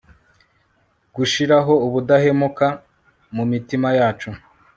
gushiraho ubudahemuka mumitima yacu